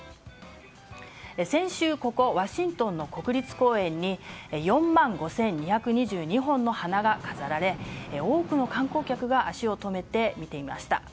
先週、ワシントンの国立公園に４万５２２２本の花が飾られ多くの観光客が足を止めて見ていました。